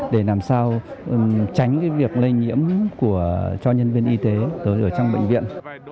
để làm sao tránh việc lây nhiễm cho nhân viên y tế ở trong bệnh viện